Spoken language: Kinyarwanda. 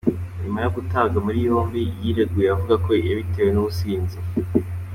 Nyuma yo gutabwa muri yombi, yireguye avuga ko "yabitewe n’ubusinzi.